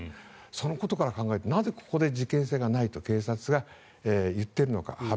そのことから考えてなぜここで事件性がないと警察が言っているのか。